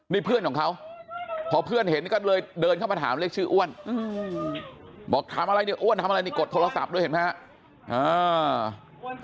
นี่เพื่อนของเขาพอเพื่อนเห็นก็เลยเดินเข้ามาถามเรียกชื่ออ้วนบอกถามอะไรเนี่ยอ้วนทำอะไรนี่กดโทรศัพท์ด้วยเห็นไหมครับ